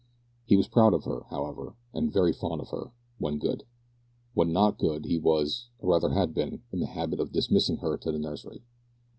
He was proud of her, however, and very fond of her when good. When not good, he was or rather had been in the habit of dismissing her to the nursery.